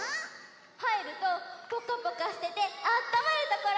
はいるとぽかぽかしててあったまるところ。